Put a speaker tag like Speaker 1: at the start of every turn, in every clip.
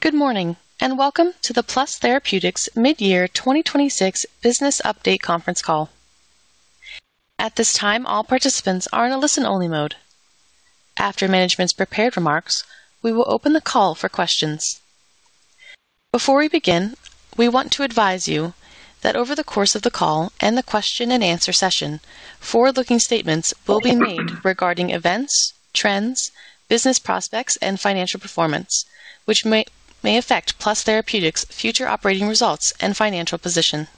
Speaker 1: Good morning, welcome to the Plus Therapeutics Mid-Year 2026 Business Update Conference Call. At this time, all participants are in a listen-only mode. After management's prepared remarks, we will open the call for questions. Before we begin, we want to advise you that over the course of the call and the question-and-answer session, forward-looking statements will be made regarding events, trends, business prospects, and financial performance, which may affect Plus Therapeutics' future operating results and financial position.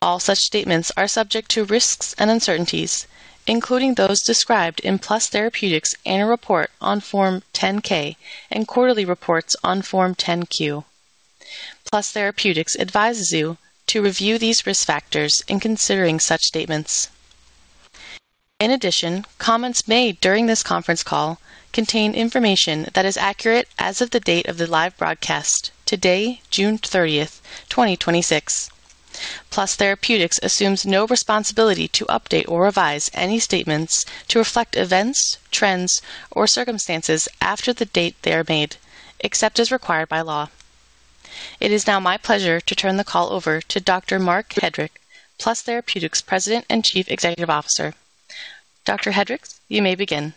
Speaker 1: All such statements are subject to risks and uncertainties, including those described in Plus Therapeutics' Annual Report on Form 10-K and quarterly reports on Form 10-Q. Plus Therapeutics advises you to review these risk factors in considering such statements. In addition, comments made during this conference call contain information that is accurate as of the date of the live broadcast today, June 30, 2026. Plus Therapeutics assumes no responsibility to update or revise any statements to reflect events, trends, or circumstances after the date they are made, except as required by law. It is now my pleasure to turn the call over to Dr. Marc Hedrick, Plus Therapeutics President and Chief Executive Officer. Dr. Hedrick, you may begin.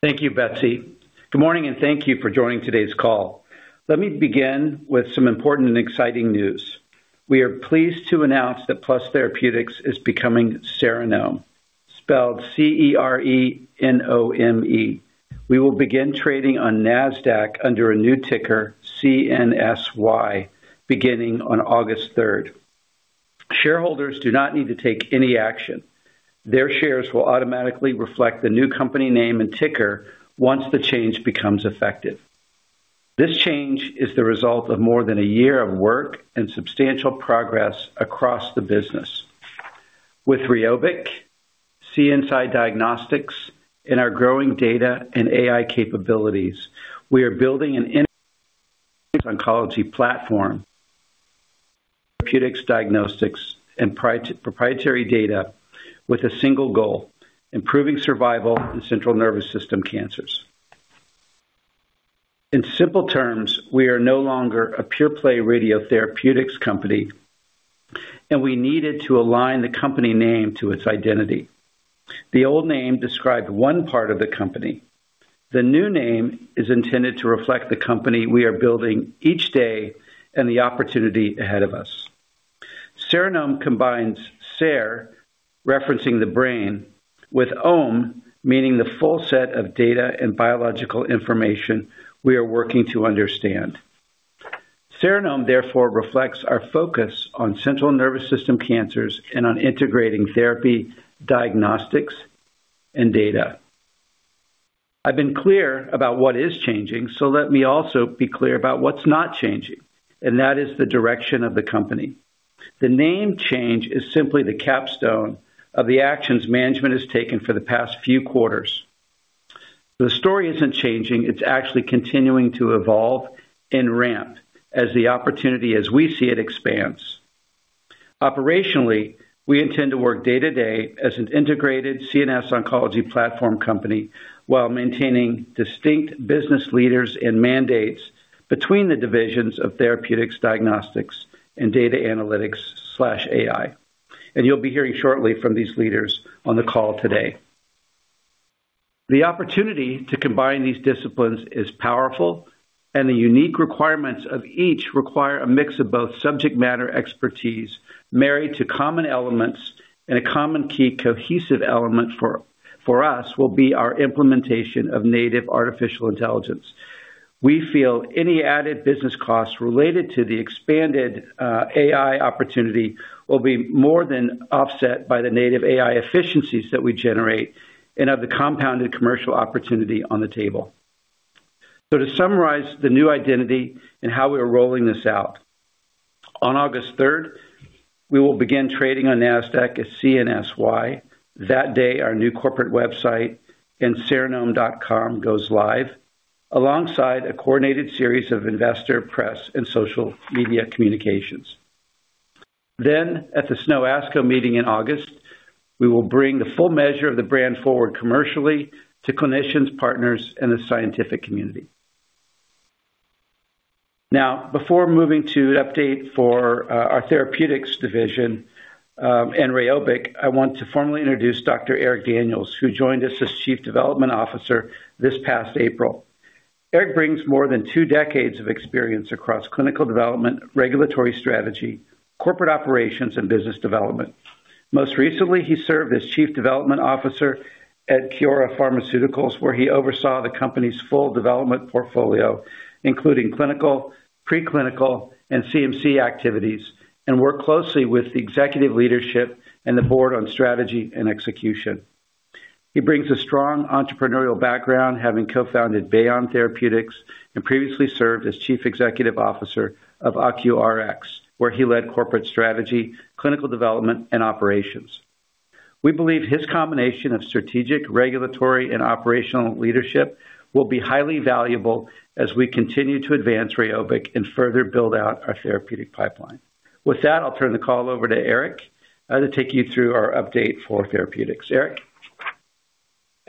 Speaker 2: Thank you, Betsy. Good morning, thank you for joining today's call. Let me begin with some important and exciting news. We are pleased to announce that Plus Therapeutics is becoming Cerenome, spelled C-E-R-E-N-O-M-E. We will begin trading on Nasdaq under a new ticker, CNSY, beginning on August 3. Shareholders do not need to take any action. Their shares will automatically reflect the new company name and ticker once the change becomes effective. This change is the result of more than a year of work and substantial progress across the business. With REYOBIQ, CNSide Diagnostics, and our growing data and AI capabilities, we are building an integrated oncology platform, therapeutics, diagnostics, and proprietary data with a single goal, improving survival in central nervous system cancers. In simple terms, we are no longer a pure-play radiotherapeutics company. We needed to align the company name to its identity. The old name described one part of the company. The new name is intended to reflect the company we are building each day and the opportunity ahead of us. Cerenome combines Cere-, referencing the brain, with -nome, meaning the full set of data and biological information we are working to understand. Cerenome, therefore, reflects our focus on central nervous system cancers and on integrating therapy, diagnostics, and data. I've been clear about what is changing. Let me also be clear about what's not changing, and that is the direction of the company. The name change is simply the capstone of the actions management has taken for the past few quarters. The story isn't changing. It's actually continuing to evolve and ramp as the opportunity, as we see it, expands. Operationally, we intend to work day-to-day as an integrated CNS oncology platform company while maintaining distinct business leaders and mandates between the divisions of therapeutics, diagnostics, and data analytics/AI. You'll be hearing shortly from these leaders on the call today. The opportunity to combine these disciplines is powerful, and the unique requirements of each require a mix of both subject matter expertise married to common elements and a common key cohesive element for us will be our implementation of native artificial intelligence. We feel any added business costs related to the expanded AI opportunity will be more than offset by the native AI efficiencies that we generate and of the compounded commercial opportunity on the table. To summarize the new identity and how we are rolling this out, on August 3rd, we will begin trading on Nasdaq as CNSY. That day, our new corporate website in cerenome.com goes live alongside a coordinated series of investor press and social media communications. At the SNO/ASCO meeting in August, we will bring the full measure of the brand forward commercially to clinicians, partners, and the scientific community. Now, before moving to an update for our therapeutics division and REYOBIQ, I want to formally introduce Dr. Eric Daniels, who joined us as Chief Development Officer this past April. Eric brings more than two decades of experience across clinical development, regulatory strategy, corporate operations, and business development. Most recently, he served as Chief Development Officer at Kiora Pharmaceuticals, where he oversaw the company's full development portfolio, including clinical, pre-clinical, and CMC activities, and worked closely with the executive leadership and the board on strategy and execution. He brings a strong entrepreneurial background, having co-founded Bayon Therapeutics and previously served as Chief Executive Officer of OcuRx, where he led corporate strategy, clinical development, and operations. We believe his combination of strategic, regulatory, and operational leadership will be highly valuable as we continue to advance REYOBIQ and further build out our therapeutic pipeline. With that, I'll turn the call over to Eric to take you through our update for therapeutics.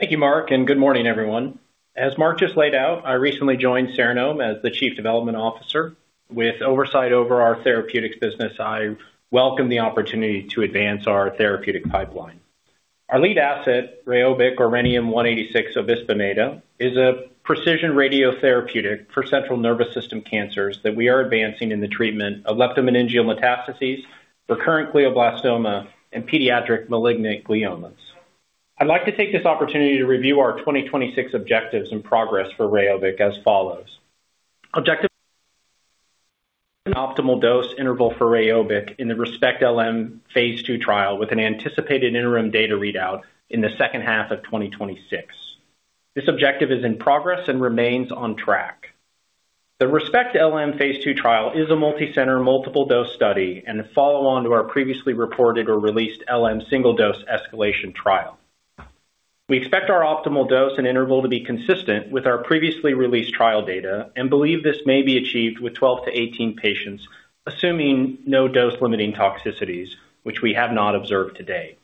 Speaker 2: Eric?
Speaker 3: Thank you, Marc, and good morning, everyone. As Marc just laid out, I recently joined Cerenome as the Chief Development Officer with oversight over our therapeutics business. I welcome the opportunity to advance our therapeutic pipeline. Our lead asset, REYOBIQ or rhenium-186 obisbemeda, is a precision radiotherapeutic for central nervous system cancers that we are advancing in the treatment of leptomeningeal metastases, recurrent glioblastoma, and pediatric malignant gliomas. I'd like to take this opportunity to review our 2026 objectives and progress for REYOBIQ as follows. Objective: an optimal dose interval for REYOBIQ in the ReSPECT-LM phase II trial, with an anticipated interim data readout in the second half of 2026. This objective is in progress and remains on track. The ReSPECT-LM phase II trial is a multicenter, multiple-dose study and a follow-on to our previously reported or released LM single-dose escalation trial. We expect our optimal dose and interval to be consistent with our previously released trial data and believe this may be achieved with 12-18 patients, assuming no dose-limiting toxicities, which we have not observed to date.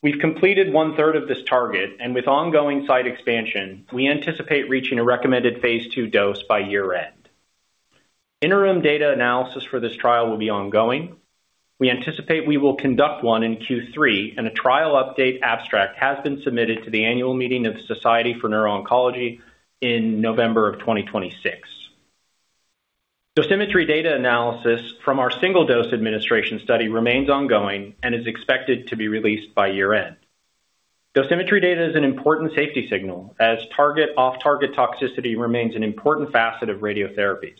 Speaker 3: We've completed one-third of this target, and with ongoing site expansion, we anticipate reaching a recommended phase II dose by year-end. Interim data analysis for this trial will be ongoing. We anticipate we will conduct one in Q3, and a trial update abstract has been submitted to the annual meeting of the Society for Neuro-Oncology in November 2026. Dosimetry data analysis from our single-dose administration study remains ongoing and is expected to be released by year-end. Dosimetry data is an important safety signal as off-target toxicity remains an important facet of radiotherapies.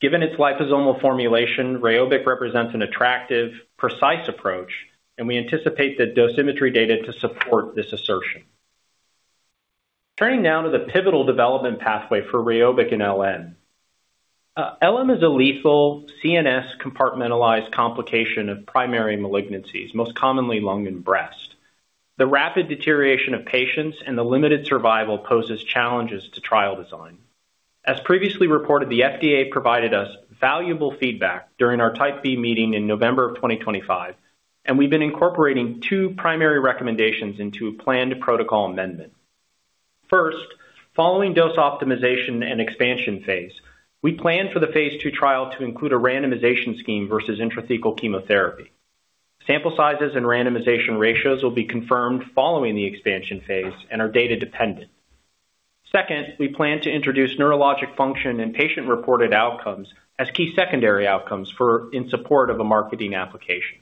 Speaker 3: Given its lysosomal formulation, REYOBIQ represents an attractive, precise approach, and we anticipate the dosimetry data to support this assertion. Turning now to the pivotal development pathway for REYOBIQ in LM. LM is a lethal CNS compartmentalized complication of primary malignancies, most commonly lung and breast. The rapid deterioration of patients and the limited survival poses challenges to trial design. As previously reported, the FDA provided us valuable feedback during our Type B meeting in November 2025, and we've been incorporating two primary recommendations into a planned protocol amendment. First, following dose optimization and expansion phase, we plan for the phase II trial to include a randomization scheme versus intrathecal chemotherapy. Sample sizes and randomization ratios will be confirmed following the expansion phase and are data-dependent. Second, we plan to introduce neurologic function and patient-reported outcomes as key secondary outcomes in support of a marketing application.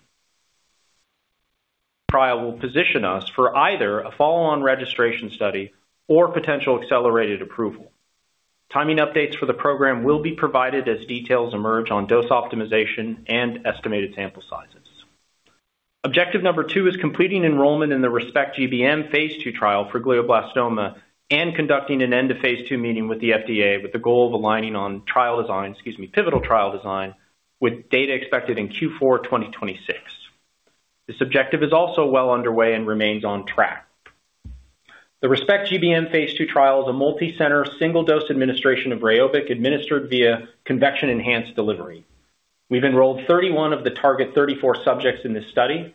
Speaker 3: Trial will position us for either a follow-on registration study or potential accelerated approval. Timing updates for the program will be provided as details emerge on dose optimization and estimated sample sizes. Objective number two is completing enrollment in the ReSPECT-GBM Phase II trial for glioblastoma and conducting an end-of-phase II meeting with the FDA with the goal of aligning on trial design, excuse me, pivotal trial design with data expected in Q4 2026. This objective is also well underway and remains on track. The ReSPECT-GBM Phase II trial is a multicenter single-dose administration of REYOBIQ administered via convection-enhanced delivery. We've enrolled 31 of the target 34 subjects in this study.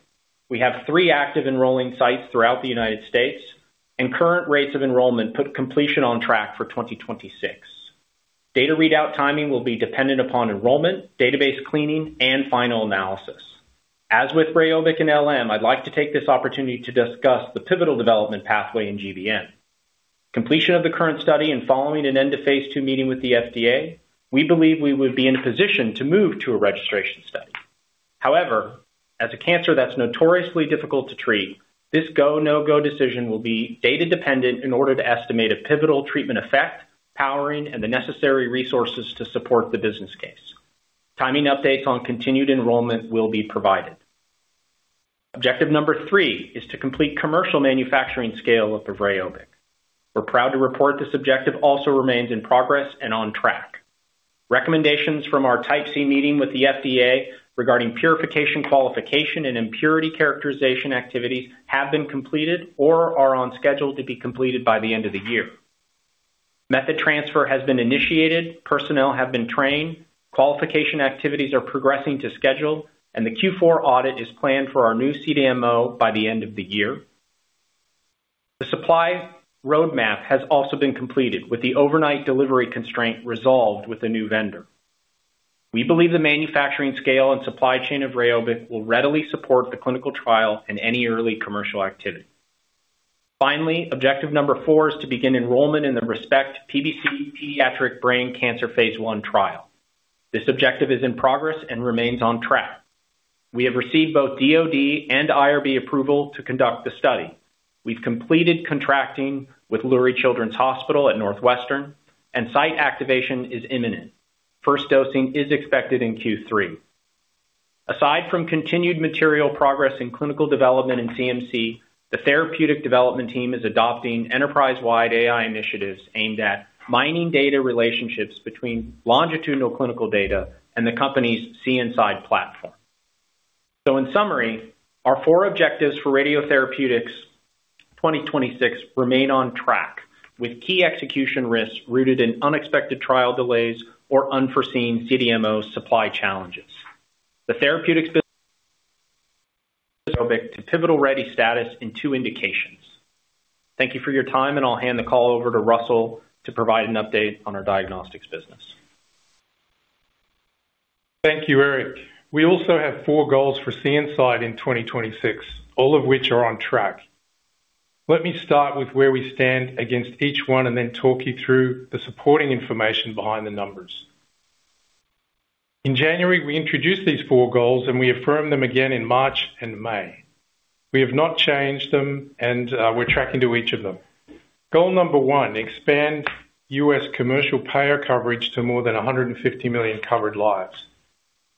Speaker 3: We have three active enrolling sites throughout the U.S., and current rates of enrollment put completion on track for 2026. Data readout timing will be dependent upon enrollment, database cleaning, and final analysis. As with REYOBIQ and LM, I'd like to take this opportunity to discuss the pivotal development pathway in GBM. Completion of the current study and following an end-of-phase II meeting with the FDA, we believe we would be in a position to move to a registration study. However, as a cancer that's notoriously difficult to treat, this go, no-go decision will be data-dependent in order to estimate a pivotal treatment effect, powering, and the necessary resources to support the business case. Timing updates on continued enrollment will be provided. Objective number three is to complete commercial manufacturing scale of the REYOBIQ. We're proud to report this objective also remains in progress and on track. Recommendations from our Type C meeting with the FDA regarding purification qualification and impurity characterization activities have been completed or are on schedule to be completed by the end of the year. Method transfer has been initiated, personnel have been trained, qualification activities are progressing to schedule. The Q4 audit is planned for our new CDMO by the end of the year. The supply roadmap has also been completed with the overnight delivery constraint resolved with a new vendor. We believe the manufacturing scale and supply chain of REYOBIQ will readily support the clinical trial and any early commercial activity. Finally, objective number four is to begin enrollment in the ReSPECT-PBC pediatric brain cancer phase I trial. This objective is in progress and remains on track. We have received both DoD and IRB approval to conduct the study. We have completed contracting with Lurie Children's Hospital at Northwestern, and site activation is imminent. First dosing is expected in Q3. Aside from continued material progress in clinical development in CMC, the therapeutic development team is adopting enterprise-wide AI initiatives aimed at mining data relationships between longitudinal clinical data and the company's CNSide platform. In summary, our four objectives for radiotherapeutics 2026 remain on track, with key execution risks rooted in unexpected trial delays or unforeseen CDMO supply challenges. The therapeutics to pivotal-ready status in two indications. Thank you for your time, and I will hand the call over to Russell to provide an update on our diagnostics business.
Speaker 4: Thank you, Eric. We also have four goals for CNSide in 2026, all of which are on track. Let me start with where we stand against each one, and then talk you through the supporting information behind the numbers. In January, we introduced these four goals, and we affirmed them again in March and May. We have not changed them, and we are tracking to each of them. Goal number one, expand U.S. commercial payer coverage to more than 150 million covered lives.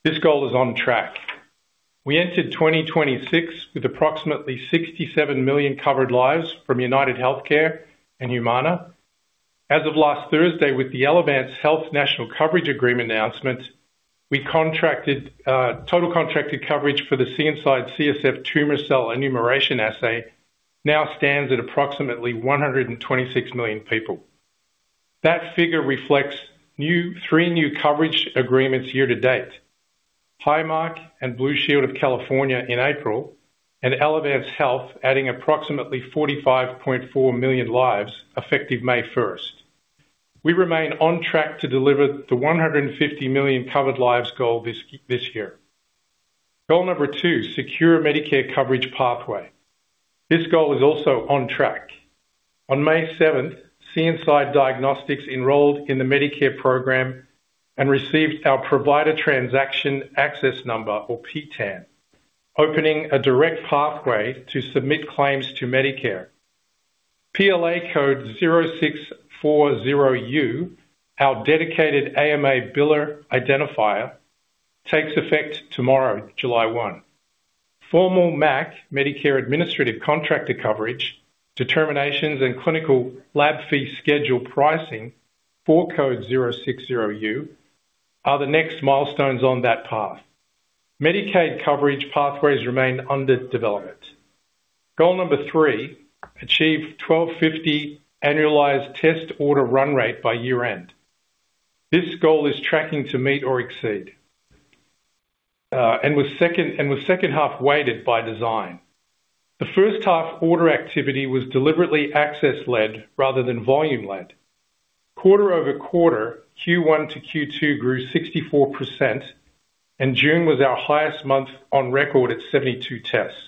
Speaker 4: This goal is on track. We entered 2026 with approximately 67 million covered lives from UnitedHealthcare and Humana. As of last Thursday, with the Elevance Health National Coverage Agreement announcement, total contracted coverage for the CNSide CSF Tumor Cell Enumeration Assay now stands at approximately 126 million people. That figure reflects three new coverage agreements year-to-date, Highmark and Blue Shield of California in April, and Elevance Health, adding approximately 45.4 million lives effective May 1st. We remain on track to deliver the 150 million covered lives goal this year. Goal number two, secure Medicare coverage pathway. This goal is also on track. On May 7th, CNSide Diagnostics enrolled in the Medicare program and received our provider transaction access number or PTAN, opening a direct pathway to submit claims to Medicare. PLA code 0640U, our dedicated AMA biller identifier, takes effect tomorrow, July 1. Formal MAC, Medicare Administrative Contractor coverage, determinations, and Clinical Laboratory Fee Schedule pricing for code 0640U are the next milestones on that path. Medicaid coverage pathways remain under development. Goal number three, achieve 1,250 annualized test order run rate by year-end. This goal is tracking to meet or exceed, and was second-half weighted by design. The first-half order activity was deliberately access-led rather than volume-led. Quarter-over-quarter, Q1-Q2 grew 64%, and June was our highest month on record at 72 tests.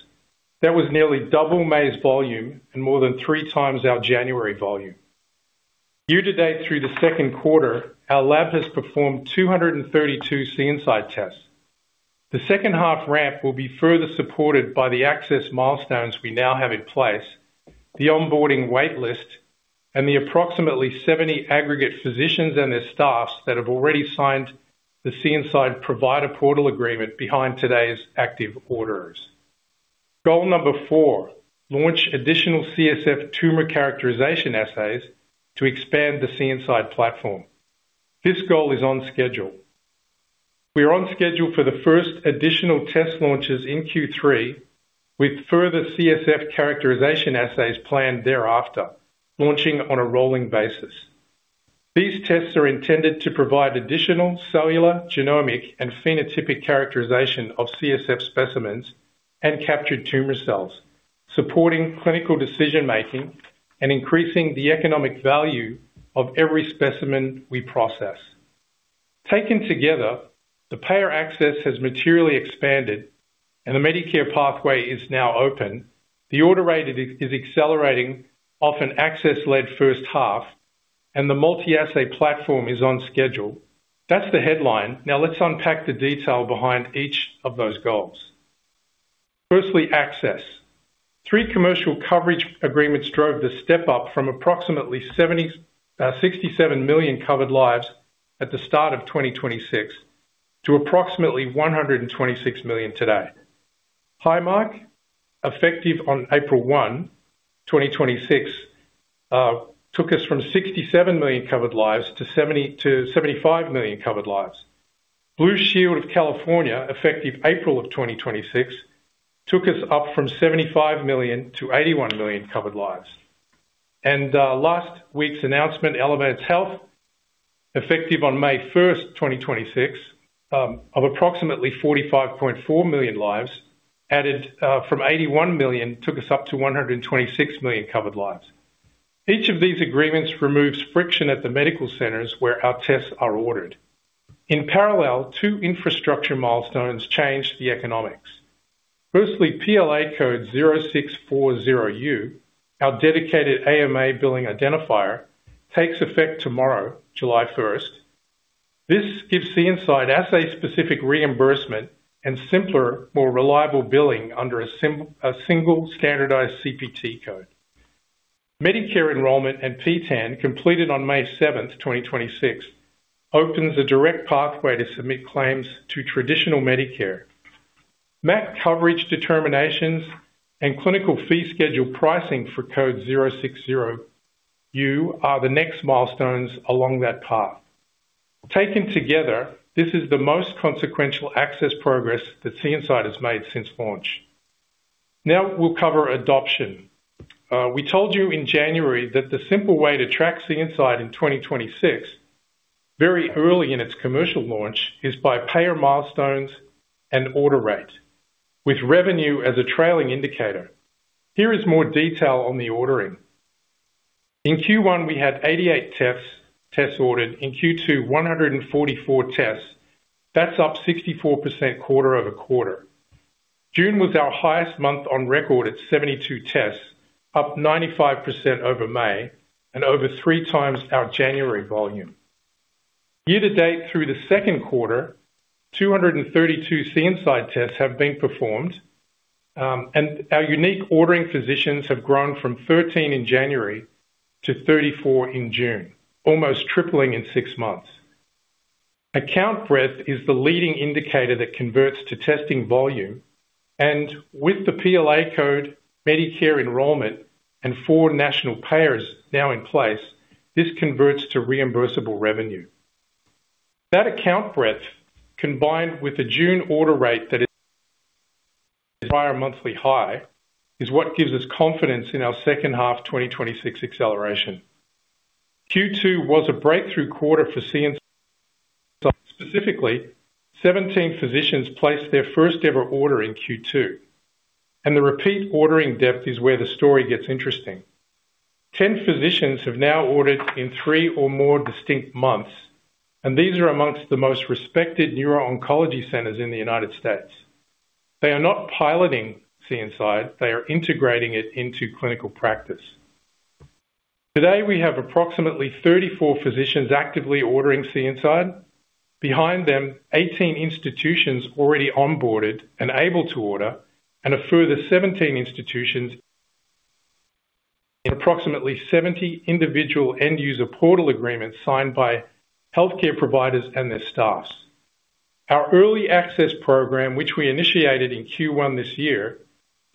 Speaker 4: That was nearly double May's volume and more than three times our January volume. Year-to-date through the second quarter, our lab has performed 232 CNSide tests. The second-half ramp will be further supported by the access milestones we now have in place, the onboarding waitlist, and the approximately 70 aggregate physicians and their staffs that have already signed the CNSide Provider Portal agreement behind today's active orders. Goal number four, launch additional CSF tumor characterization assays to expand the CNSide platform. This goal is on schedule. We are on schedule for the first additional test launches in Q3, with further CSF characterization assays planned thereafter, launching on a rolling basis. These tests are intended to provide additional cellular, genomic, and phenotypic characterization of CSF specimens and captured tumor cells, supporting clinical decision-making and increasing the economic value of every specimen we process. Taken together, the payer access has materially expanded, and the Medicare pathway is now open. The order rate is accelerating off an access-led first half, and the multi-assay platform is on schedule. That's the headline. Now let's unpack the detail behind each of those goals. Firstly, access. Three commercial coverage agreements drove the step-up from approximately 67 million covered lives at the start of 2026 to approximately 126 million today. Highmark, effective on April 1, 2026, took us from 67 million covered lives to 75 million covered lives. Blue Shield of California, effective April of 2026, took us up from 75 million-81 million covered lives. Last week's announcement, Elevance Health, effective on May 1st, 2026, of approximately 45.4 million lives added from 81 million, took us up to 126 million covered lives. Each of these agreements removes friction at the medical centers where our tests are ordered. In parallel, two infrastructure milestones changed the economics. Firstly, PLA code 0640U, our dedicated AMA billing identifier, takes effect tomorrow, July 1st. This gives CNSide assay-specific reimbursement and simpler, more reliable billing under a single standardized CPT code. Medicare enrollment and PTAN, completed on May 7th, 2026, opens a direct pathway to submit claims to traditional Medicare. MAC coverage determinations and clinical fee schedule pricing for code 0640U are the next milestones along that path. Taken together, this is the most consequential access progress that CNSide has made since launch. We'll cover adoption. We told you in January that the simple way to track the CNSide in 2026, very early in its commercial launch, is by payer milestones and order rate, with revenue as a trailing indicator. Here is more detail on the ordering. In Q1, we had 88 tests ordered. In Q2, 144 tests. That's up 64% quarter-over-quarter. June was our highest month on record at 72 tests, up 95% over May, and over three times our January volume. Year-to-date through the second quarter, 232 CNSide tests have been performed, and our unique ordering physicians have grown from 13 in January to 34 in June, almost tripling in six months. Account breadth is the leading indicator that converts to testing volume, and with the PLA code, Medicare enrollment, and four national payers now in place, this converts to reimbursable revenue. That account breadth, combined with the June order rate that is prior monthly high, is what gives us confidence in our second half 2026 acceleration. Q2 was a breakthrough quarter for CNSide. Specifically, 17 physicians placed their first-ever order in Q2, and the repeat ordering depth is where the story gets interesting. 10 physicians have now ordered in three or more distinct months, and these are amongst the most respected neuro-oncology centers in the U.S. They are not piloting CNSide, they are integrating it into clinical practice. Today, we have approximately 34 physicians actively ordering CNSide. Behind them, 18 institutions already onboarded and able to order, and a further 17 institutions in approximately 70 individual end-user portal agreements signed by healthcare providers and their staffs. Our early access program, which we initiated in Q1 this year,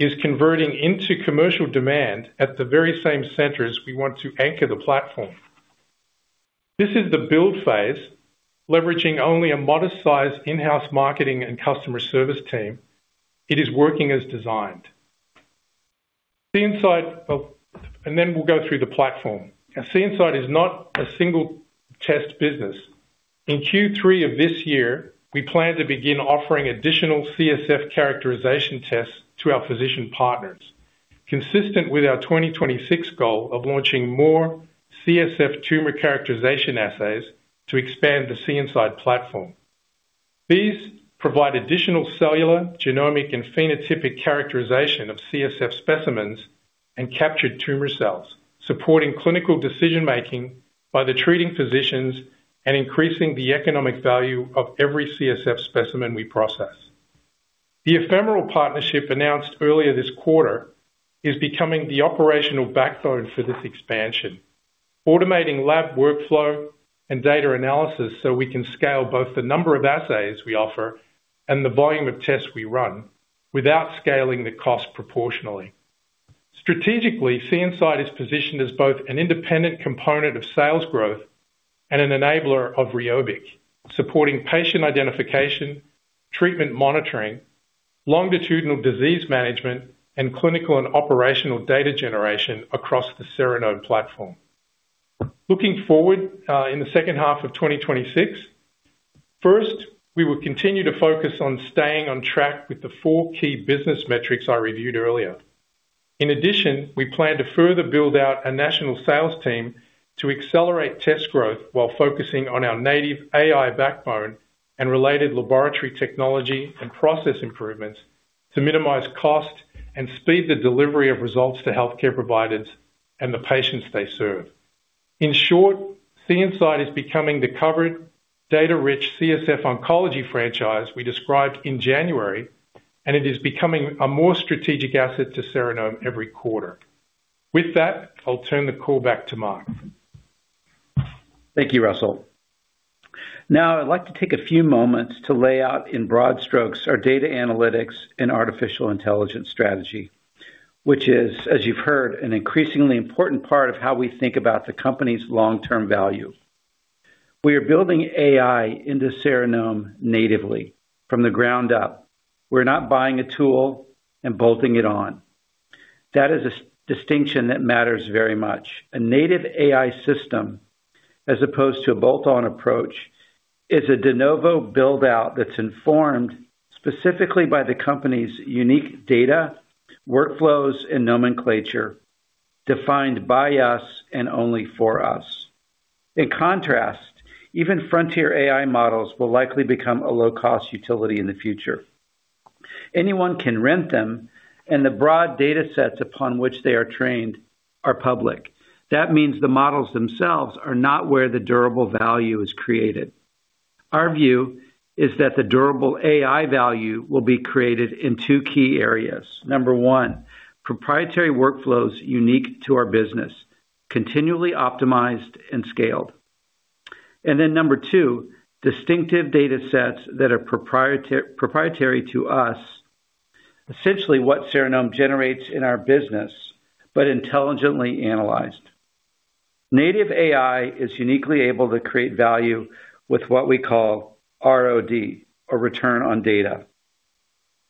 Speaker 4: is converting into commercial demand at the very same centers we want to anchor the platform. This is the build phase, leveraging only a modest-sized in-house marketing and customer service team. It is working as designed. CNSide. Then we'll go through the platform. CNSide is not a single test business. In Q3 of this year, we plan to begin offering additional CSF characterization tests to our physician partners, consistent with our 2026 goal of launching more CSF tumor characterization assays to expand the CNSide platform. These provide additional cellular, genomic, and phenotypic characterization of CSF specimens and captured tumor cells, supporting clinical decision-making by the treating physicians and increasing the economic value of every CSF specimen we process. The Ephemeral partnership announced earlier this quarter is becoming the operational backbone for this expansion, automating lab workflow and data analysis so we can scale both the number of assays we offer and the volume of tests we run without scaling the cost proportionally. Strategically, CNSide is positioned as both an independent component of sales growth and an enabler of REYOBIQ, supporting patient identification, treatment monitoring, longitudinal disease management, and clinical and operational data generation across the Cerenome platform. Looking forward, in the second half of 2026, first, we will continue to focus on staying on track with the four key business metrics I reviewed earlier. We plan to further build out a national sales team to accelerate test growth while focusing on our native AI backbone and related laboratory technology and process improvements to minimize cost and speed the delivery of results to healthcare providers and the patients they serve. CNSide is becoming the covered data-rich CSF oncology franchise we described in January, and it is becoming a more strategic asset to Cerenome every quarter. With that, I'll turn the call back to Marc.
Speaker 2: Thank you, Russell. I'd like to take a few moments to lay out in broad strokes our data analytics and artificial intelligence strategy, which is, as you've heard, an increasingly important part of how we think about the company's long-term value. We are building AI into Cerenome natively from the ground up. We're not buying a tool and bolting it on. That is a distinction that matters very much. A native AI system, as opposed to a bolt-on approach, is a de novo build-out that's informed specifically by the company's unique data, workflows, and nomenclature defined by us and only for us. In contrast, even frontier AI models will likely become a low-cost utility in the future. Anyone can rent them. The broad data sets upon which they are trained are public. That means the models themselves are not where the durable value is created. Our view is that the durable AI value will be created in two key areas. Number one, proprietary workflows unique to our business, continually optimized and scaled. Number two, distinctive data sets that are proprietary to us, essentially what Cerenome generates in our business, but intelligently analyzed. Native AI is uniquely able to create value with what we call ROD, or return on data.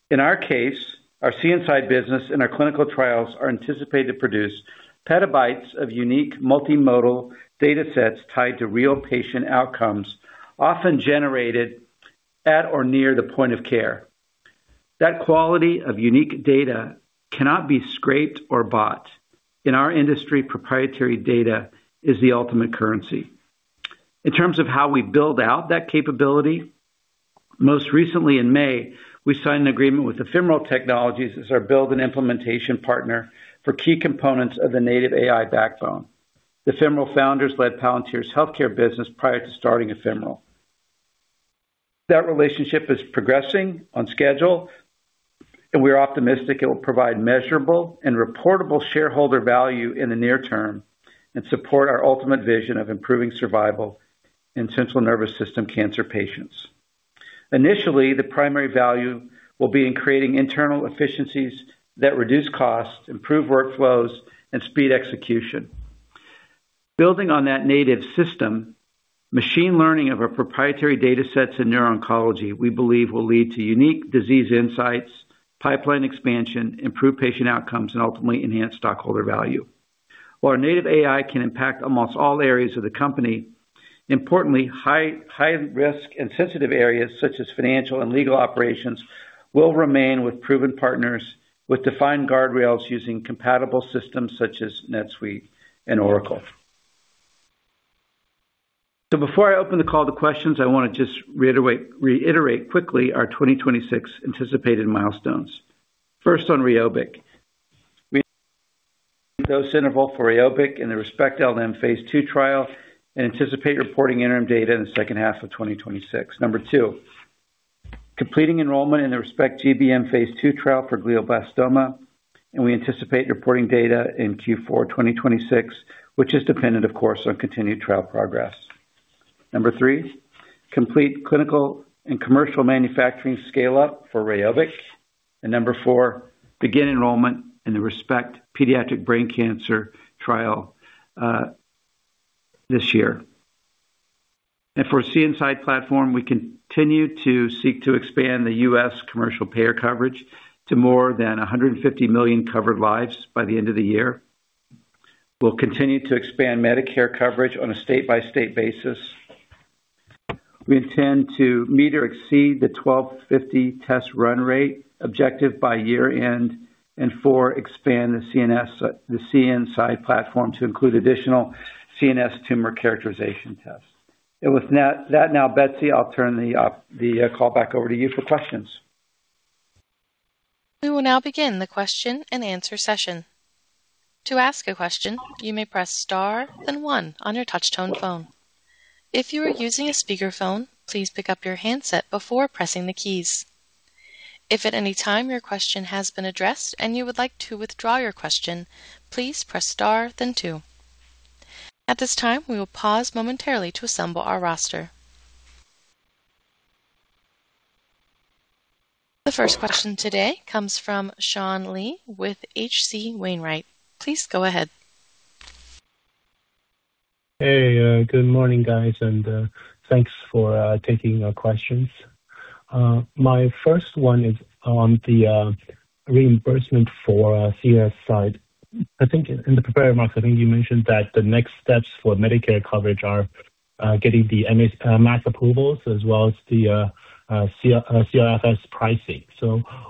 Speaker 2: In our case, our CNSide business and our clinical trials are anticipated to produce petabytes of unique multimodal data sets tied to real patient outcomes, often generated at or near the point of care. That quality of unique data cannot be scraped or bought. In our industry, proprietary data is the ultimate currency. In terms of how we build out that capability, most recently in May, we signed an agreement with Ephemeral Technologies as our build and implementation partner for key components of the native AI backbone. The Ephemeral founders led Palantir's healthcare business prior to starting Ephemeral. That relationship is progressing on schedule. We're optimistic it will provide measurable and reportable shareholder value in the near term and support our ultimate vision of improving survival in central nervous system cancer patients. Initially, the primary value will be in creating internal efficiencies that reduce costs, improve workflows, and speed execution. Building on that native system, machine learning of our proprietary data sets in neuro-oncology, we believe will lead to unique disease insights, pipeline expansion, improved patient outcomes, and ultimately enhance stockholder value. While our native AI can impact almost all areas of the company, importantly, high risk and sensitive areas such as financial and legal operations will remain with proven partners with defined guardrails using compatible systems such as NetSuite and Oracle. Before I open the call to questions, I want to just reiterate quickly our 2026 anticipated milestones. First on REYOBIQ. Dose interval for REYOBIQ in the ReSPECT-LM phase II trial and anticipate reporting interim data in the second half of 2026. Number two, completing enrollment in the ReSPECT-GBM phase II trial for glioblastoma. We anticipate reporting data in Q4 2026, which is dependent, of course, on continued trial progress. Number three, complete clinical and commercial manufacturing scale-up for REYOBIQ. Number four, begin enrollment in the ReSPECT-PBC trial this year. For CNSide platform, we continue to seek to expand the U.S. commercial payer coverage to more than 150 million covered lives by the end of the year. We'll continue to expand Medicare coverage on a state-by-state basis. We intend to meet or exceed the 1,250 test run rate objective by year-end, four, expand the CNSide platform to include additional CNS tumor characterization tests. With that now, Betsy, I'll turn the call back over to you for questions.
Speaker 1: We will now begin the question and answer session. To ask a question, you may press star then one on your touch-tone phone. If you are using a speakerphone, please pick up your handset before pressing the keys. If at any time your question has been addressed and you would like to withdraw your question, please press star then two. At this time, we will pause momentarily to assemble our roster. The first question today comes from Sean Lee with H.C. Wainwright. Please go ahead.
Speaker 5: Hey, good morning, guys, thanks for taking our questions. My first one is on the reimbursement for CNSide. I think in the prepared remarks, I think you mentioned that the next steps for Medicare coverage are getting the MAC approvals as well as the CLFS pricing.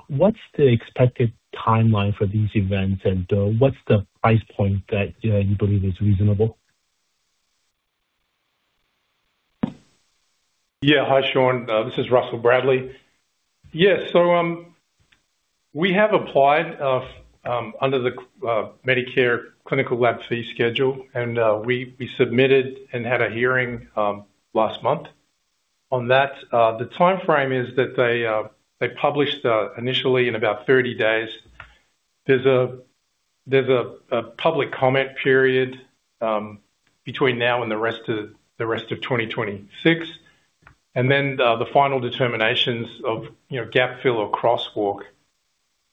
Speaker 5: What's the expected timeline for these events, and what's the price point that you believe is reasonable?
Speaker 4: Hi, Sean. This is Russell Bradley. We have applied under the Medicare Clinical Laboratory Fee Schedule, we submitted and had a hearing last month on that. The timeframe is that they published initially in about 30 days. There's a public comment period between now and the rest of 2026, then the final determinations of gap fill or crosswalk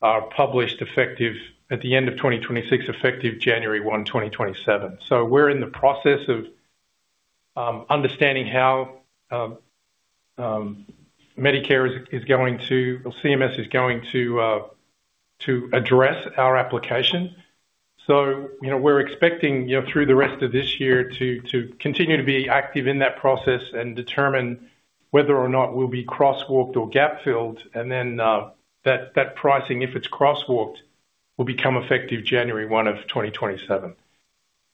Speaker 4: are published at the end of 2026, effective January 1, 2027. We're in the process of understanding how Medicare is going to, or CMS is going to address our application. We're expecting through the rest of this year to continue to be active in that process and determine whether or not we'll be crosswalked or gap-filled, then that pricing, if it's crosswalked, will become effective January 1 of 2027.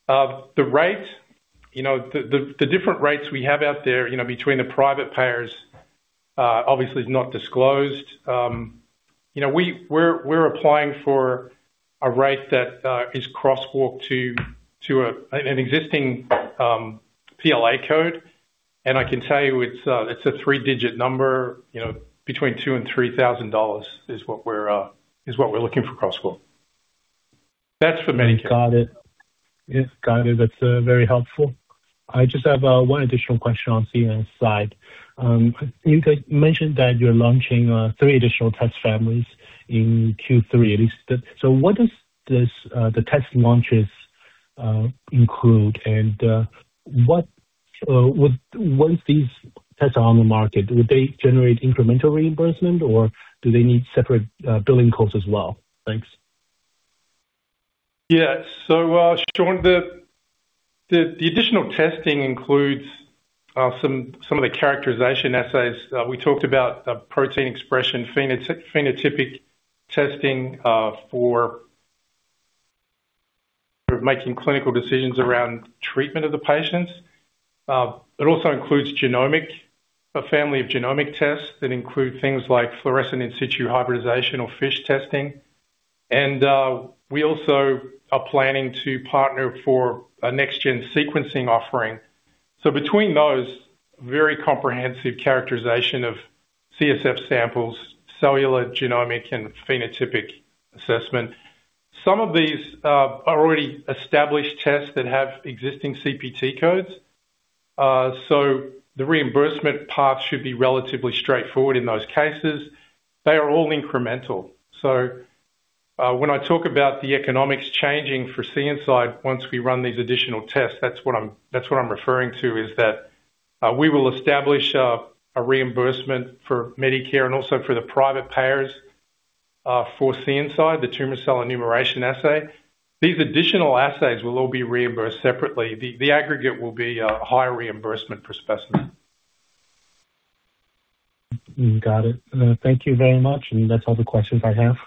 Speaker 4: The different rates we have out there between the private payers obviously is not disclosed. We're applying for a rate that is crosswalked to an existing PLA code, and I can tell you it's a three-digit number between $2,000-$3,000 is what we're looking for crosswalk. That's for Medicare.
Speaker 5: Got it. That's very helpful. I just have one additional question on the CNSide. You mentioned that you're launching three additional test families in Q3, at least. What does the test launches include, and once these tests are on the market, would they generate incremental reimbursement, or do they need separate billing codes as well? Thanks.
Speaker 4: Sean, the additional testing includes some of the characterization assays. We talked about protein expression, phenotypic testing for making clinical decisions around treatment of the patients. It also includes a family of genomic tests that include things like fluorescence in situ hybridization or FISH testing. We also are planning to partner for a next-generation sequencing offering. Between those, very comprehensive characterization of CSF samples, cellular, genomic, and phenotypic assessment. Some of these are already established tests that have existing CPT codes. The reimbursement path should be relatively straightforward in those cases. They are all incremental. When I talk about the economics changing for CNSide, once we run these additional tests, that's what I'm referring to, is that we will establish a reimbursement for Medicare and also for the private payers for CNSide, the Tumor Cell Enumeration Assay. These additional assays will all be reimbursed separately. The aggregate will be a higher reimbursement per specimen.
Speaker 5: Got it. Thank you very much. That's all the questions I have.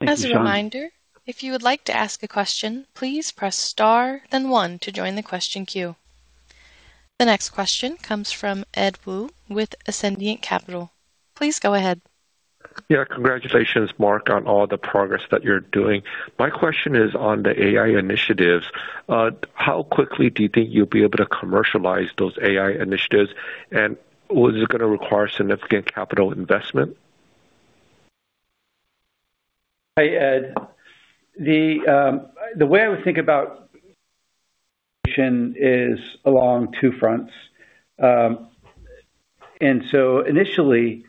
Speaker 4: Thank you, Sean.
Speaker 1: As a reminder, if you would like to ask a question, please press star then one to join the question queue. The next question comes from Ed Woo with Ascendiant Capital. Please go ahead.
Speaker 6: Congratulations, Marc, on all the progress that you're doing. My question is on the AI initiatives. How quickly do you think you'll be able to commercialize those AI initiatives? Will it gonna require significant capital investment?
Speaker 2: Hi, Ed. The way I would think about is along two fronts. Initially,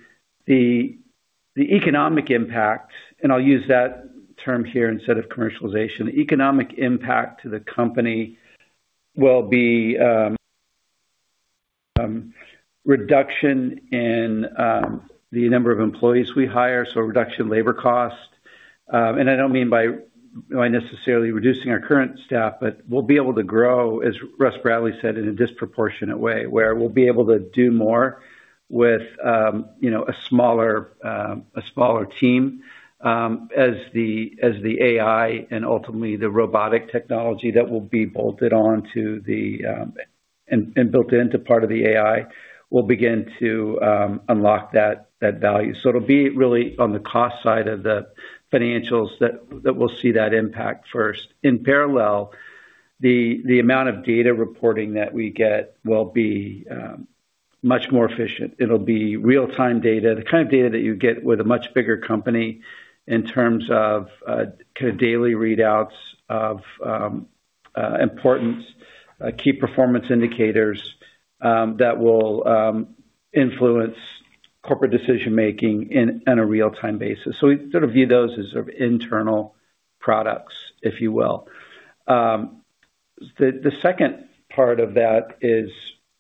Speaker 2: the economic impact, and I'll use that term here instead of commercialization, the economic impact to the company will be reduction in the number of employees we hire, so reduction labor cost. I don't mean by necessarily reducing our current staff, but we'll be able to grow, as Russ Bradley said, in a disproportionate way, where we'll be able to do more with a smaller team as the AI and ultimately the robotic technology that will be bolted on and built into part of the AI, will begin to unlock that value. It'll be really on the cost side of the financials that we'll see that impact first. In parallel, the amount of data reporting that we get will be much more efficient. It'll be real-time data, the kind of data that you get with a much bigger company in terms of daily readouts of important key performance indicators that will influence corporate decision-making in a real-time basis. We sort of view those as internal products, if you will. The second part of that is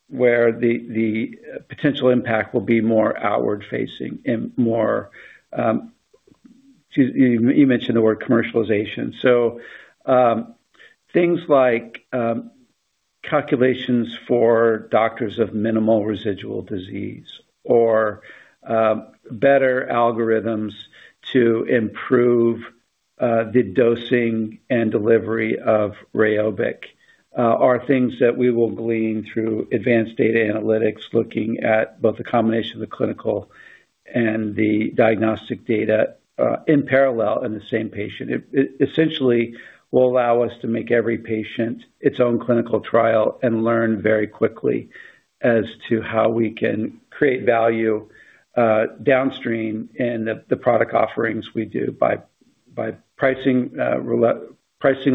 Speaker 2: where the potential impact will be more outward-facing and more, you mentioned the word commercialization. Things like calculations for doctors of minimal residual disease or better algorithms to improve the dosing and delivery of REYOBIQ are things that we will glean through advanced data analytics, looking at both the combination of the clinical and the diagnostic data in parallel in the same patient. It essentially will allow us to make every patient its own clinical trial and learn very quickly as to how we can create value downstream in the product offerings we do by pricing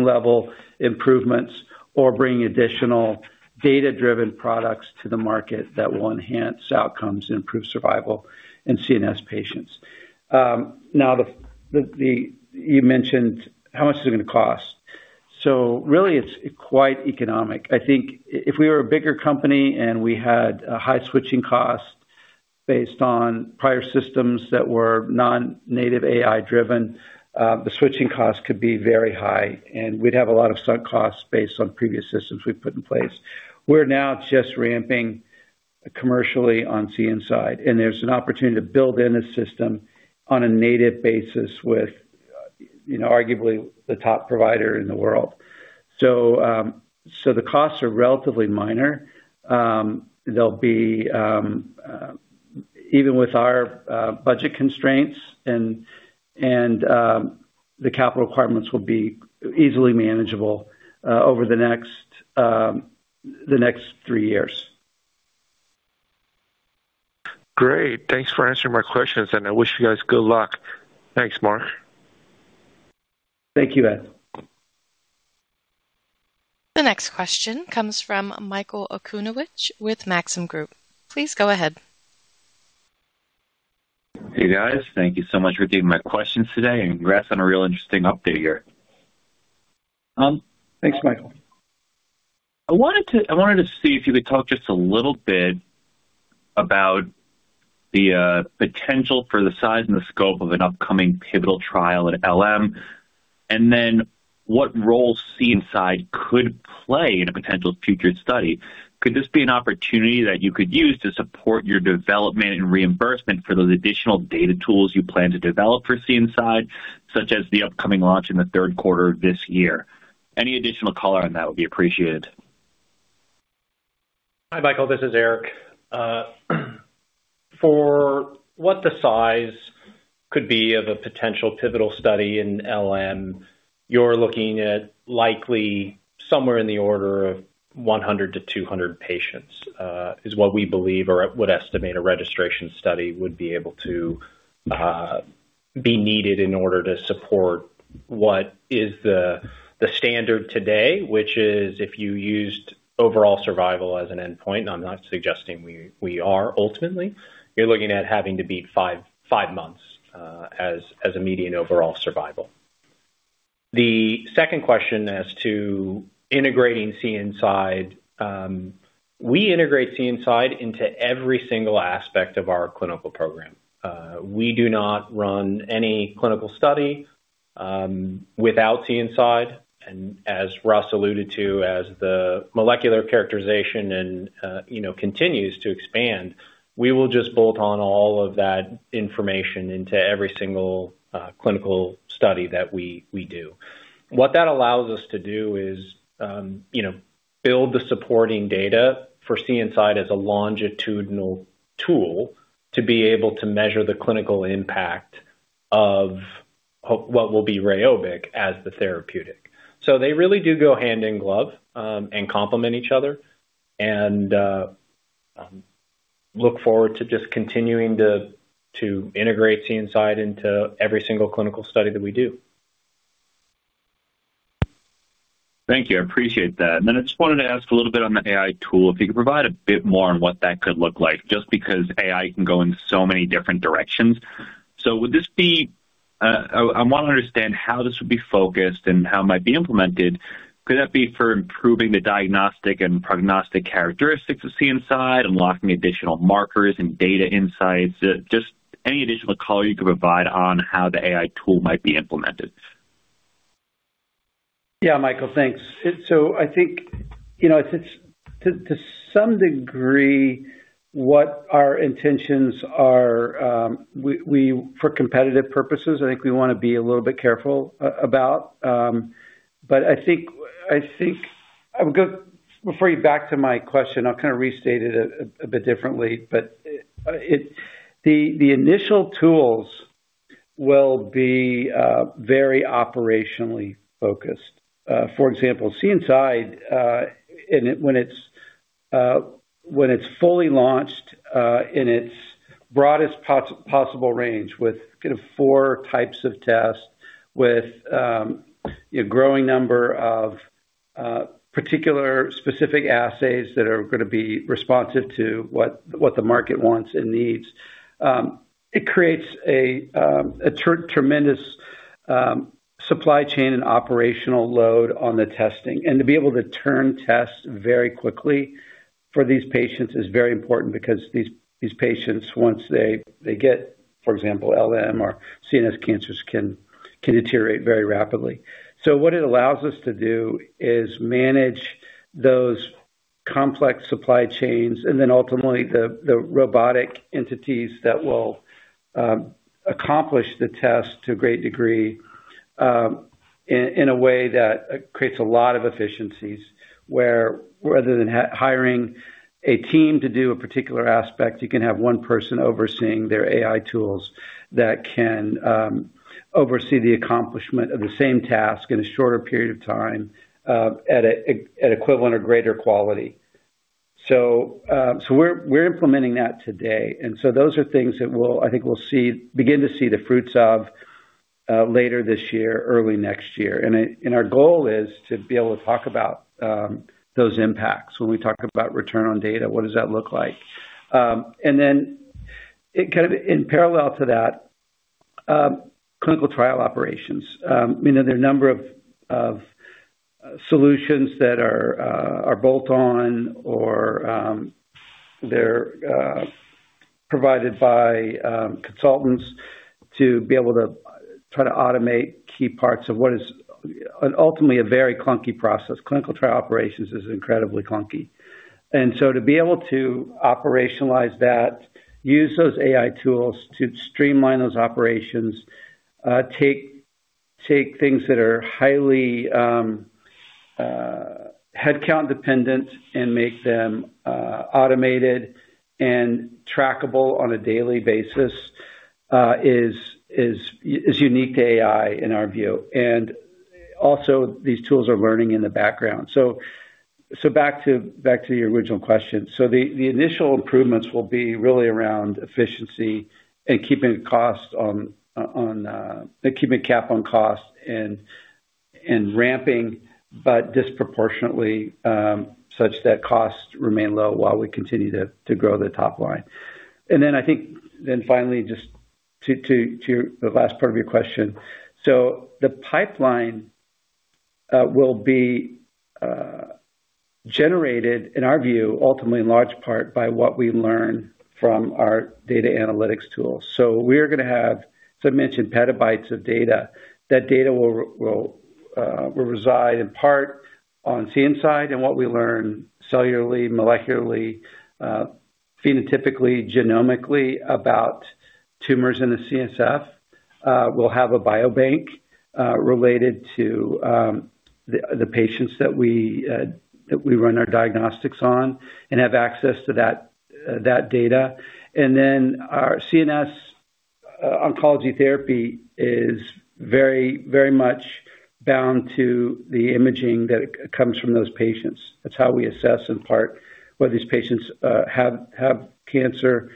Speaker 2: level improvements or bringing additional data-driven products to the market that will enhance outcomes and improve survival in CNS patients. Now, you mentioned how much is it gonna cost. Really it's quite economic. I think if we were a bigger company and we had a high switching cost based on prior systems that were non-native AI driven, the switching cost could be very high, and we'd have a lot of sunk costs based on previous systems we've put in place. We're now just ramping commercially on CNSide, and there's an opportunity to build in a system on a native basis with arguably the top provider in the world. The costs are relatively minor. Even with our budget constraints and the capital requirements will be easily manageable over the next three years.
Speaker 6: Great. Thanks for answering my questions, and I wish you guys good luck. Thanks, Marc.
Speaker 2: Thank you, Ed.
Speaker 1: The next question comes from Michael Okunewitch with Maxim Group. Please go ahead.
Speaker 7: Hey, guys. Thank you so much for taking my questions today, and Russ on a real interesting update here.
Speaker 2: Thanks, Michael.
Speaker 7: I wanted to see if you could talk just a little bit about the potential for the size and the scope of an upcoming pivotal trial at LM. What role CNSide could play in a potential future study? Could this be an opportunity that you could use to support your development and reimbursement for those additional data tools you plan to develop for CNSide, such as the upcoming launch in the third quarter of this year? Any additional color on that would be appreciated.
Speaker 3: Hi, Michael. This is Eric. For what the size could be of a potential pivotal study in LM, you're looking at likely somewhere in the order of 100-200 patients, is what we believe or would estimate a registration study would be able to be needed in order to support what is the standard today, which is if you used overall survival as an endpoint, I'm not suggesting we are ultimately, you're looking at having to beat five months as a median overall survival. The second question as to integrating CNSide, we integrate CNSide into every single aspect of our clinical program. We do not run any clinical study without CNSide. As Russ alluded to, as the molecular characterization continues to expand, we will just bolt on all of that information into every single clinical study that we do. What that allows us to do is build the supporting data for CNSide as a longitudinal tool to be able to measure the clinical impact of what will be REYOBIQ as the therapeutic. They really do go hand in glove and complement each other, and look forward to just continuing to integrate CNSide into every single clinical study that we do.
Speaker 7: Thank you. I appreciate that. I just wanted to ask a little bit on the AI tool, if you could provide a bit more on what that could look like, just because AI can go in so many different directions. I want to understand how this would be focused and how it might be implemented. Could that be for improving the diagnostic and prognostic characteristics of CNSide, unlocking additional markers and data insights? Just any additional color you could provide on how the AI tool might be implemented.
Speaker 2: Yeah, Michael, thanks. I think, to some degree, what our intentions are, for competitive purposes, I think we wanna be a little bit careful about. Before you back to my question, I'll kind of restate it a bit differently, but the initial tools will be very operationally focused. For example, CNSide, when it's fully launched in its broadest possible range with four types of tests, with a growing number of particular specific assays that are gonna be responsive to what the market wants and needs, it creates a tremendous supply chain and operational load on the testing, and to be able to turn tests very quickly for these patients is very important because these patients, once they get, for example, LM or CNS cancers, can deteriorate very rapidly. What it allows us to do is manage those complex supply chains ultimately the robotic entities that will accomplish the test to a great degree, in a way that creates a lot of efficiencies, where rather than hiring a team to do a particular aspect, you can have one person overseeing their AI tools that can oversee the accomplishment of the same task in a shorter period of time at equivalent or greater quality. We're implementing that today, those are things that I think we'll begin to see the fruits of later this year, early next year. Our goal is to be able to talk about those impacts when we talk about return on data, what does that look like? In parallel to that, clinical trial operations. There are a number of solutions that are bolt on or they're provided by consultants to be able to try to automate key parts of what is ultimately a very clunky process. Clinical trial operations is incredibly clunky, to be able to operationalize that, use those AI tools to streamline those operations, take things that are highly headcount dependent and make them automated and trackable on a daily basis is unique to AI, in our view. These tools are learning in the background. Back to your original question. The initial improvements will be really around efficiency and keeping a cap on cost and ramping, but disproportionately, such that costs remain low while we continue to grow the top line. I think, finally, just to the last part of your question. The pipeline will be generated, in our view, ultimately, in large part, by what we learn from our data analytics tools. We are going to have, as I mentioned, petabytes of data. That data will reside in part on CNSide and what we learn cellularly, molecularly, phenotypically, genomically about tumors in the CSF. We'll have a biobank related to the patients that we run our diagnostics on and have access to that data. Our CNS oncology therapy is very much bound to the imaging that comes from those patients. That's how we assess, in part, whether these patients have cancer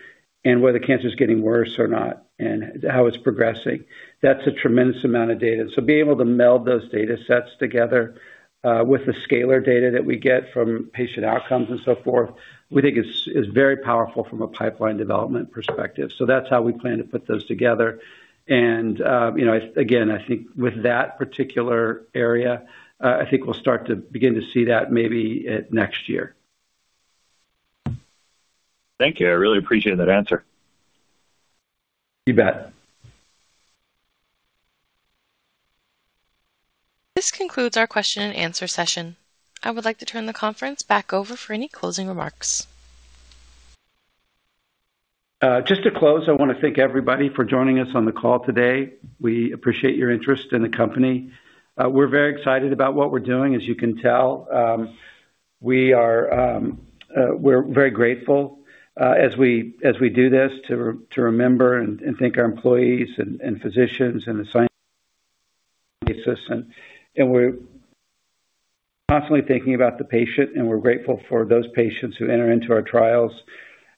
Speaker 2: and whether cancer is getting worse or not and how it's progressing. That's a tremendous amount of data. Being able to meld those data sets together, with the scalar data that we get from patient outcomes and so forth, we think is very powerful from a pipeline development perspective. That's how we plan to put those together. Again, I think with that particular area, I think we'll start to begin to see that maybe next year.
Speaker 7: Thank you. I really appreciate that answer.
Speaker 2: You bet.
Speaker 1: This concludes our question and answer session. I would like to turn the conference back over for any closing remarks.
Speaker 2: Just to close, I want to thank everybody for joining us on the call today. We appreciate your interest in the company. We're very excited about what we're doing, as you can tell. We're very grateful, as we do this, to remember and thank our employees and physicians and the scientists. We're constantly thinking about the patient, and we're grateful for those patients who enter into our trials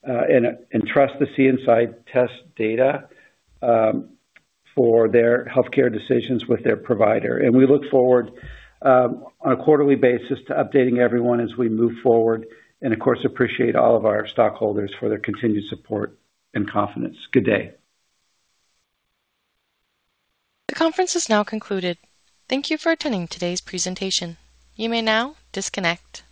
Speaker 2: and trust the CNSide test data for their healthcare decisions with their provider. We look forward, on a quarterly basis, to updating everyone as we move forward and, of course, appreciate all of our stockholders for their continued support and confidence. Good day.
Speaker 1: The conference has now concluded. Thank you for attending today's presentation. You may now disconnect.